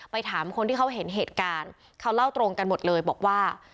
ถามคนที่เขาเห็นเหตุการณ์เขาเล่าตรงกันหมดเลยบอกว่า